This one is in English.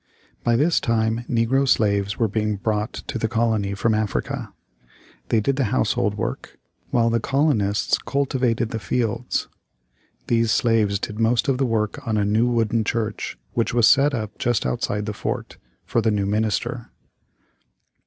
By this time negro slaves were being brought to the colony from Africa. They did the household work, while the colonists cultivated the fields These slaves did most of the work on a new wooden church which was set up just outside the fort, for the new minister.